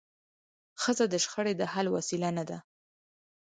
ښځه د شخړي د حل وسیله نه ده.